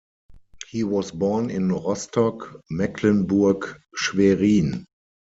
He was born in Rostock, Mecklenburg-Schwerin.